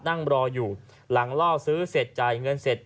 นั่งรออยู่หลังล่อซื้อเสร็จจ่ายเงินเสร็จ